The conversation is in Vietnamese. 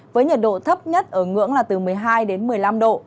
với nhiệt độ thấp nhất ở ngưỡng là từ một mươi hai đến một mươi năm độ